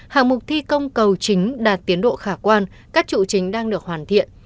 hạng mục thi công cầu chính đạt tiến độ khả quan các trụ chính đang được hoàn thiện